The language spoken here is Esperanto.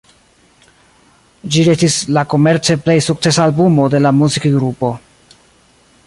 Ĝi restis la komerce plej sukcesa albumo de la muzikgrupo.